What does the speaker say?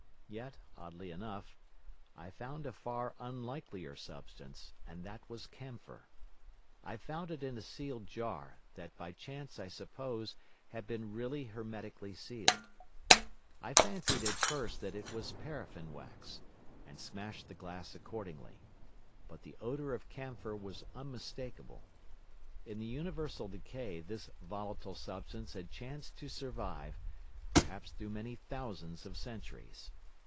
Yet, oddly enough, I found a far unlikelier substance, and that was camphor. I found it in a sealed jar, that by chance, I suppose, had been really hermetically sealed. I fancied at first that it was paraffin wax, and smashed the glass accordingly. But the odour of camphor was unmistakable. In the universal decay this volatile substance had chanced to survive, perhaps through many thousands of centuries.